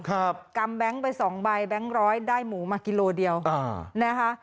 กำแบงค์ไปสองใบแบงค์ร้อยได้หมูมากิโลเดียวอ่านะคะ